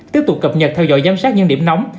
tiếp tục cập nhật theo dõi giám sát những điểm nóng